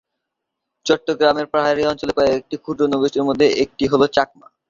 চট্টগ্রামের পাহাড়ি অঞ্চলের কয়েকটি ক্ষুদ্র নৃগোষ্ঠীর মধ্যে একটি হলো চাকমা।